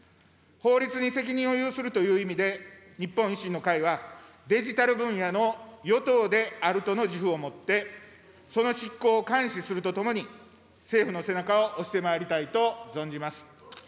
法律に責任を有するという意味で、日本維新の会は、デジタル分野の与党であるとの自負を持って、その執行を監視するとともに、政府の背中を押してまいりたいと存じます。